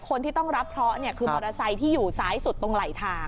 คนที่ต้องรับเคราะห์คือมอเตอร์ไซค์ที่อยู่ซ้ายสุดตรงไหลทาง